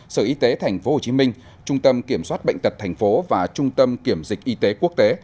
sở y tế tp hcm trung tâm kiểm soát bệnh tật tp và trung tâm kiểm dịch y tế quốc tế